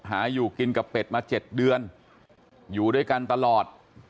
อยู่กินกับเป็ดมา๗เดือนอยู่ด้วยกันตลอด